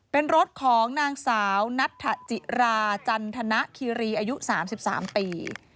เป็นรถของนางสาวนัทธจิราจันทนคิรีอายุ๓๓ปี